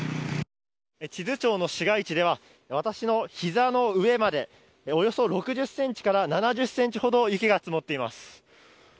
智頭町の市街地では、私のひざの上までおよそ６０センチから７０センチほど雪が積もっています。